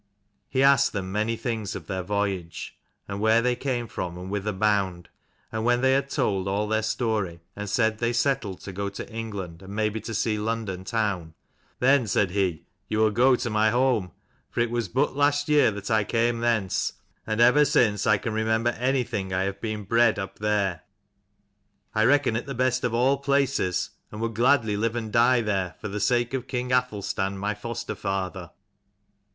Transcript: He asked them many things of their voyage, and where they came from, and whither bound. And when they had told all their story and said they settled to go to England, and maybe to see London town, "Then," said he, "you will go to my home : for it was but last year that I came thence : and ever since I can remember anything I have been bred up there. I reckon it the best of all places, and would gladly live and die there, for the sake of king Athelstan my foster father."